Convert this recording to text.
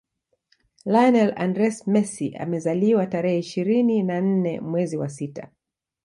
Lionel Andres Messi amezaliwa tarehe ishirini na nne mwezi wa sita